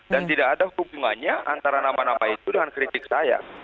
dan tidak ada hubungannya antara nama nama itu dengan kritik saya